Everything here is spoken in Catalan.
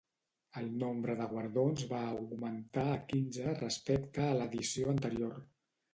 El nombre de guardons va augmentar a quinze respecte a l'edició anterior.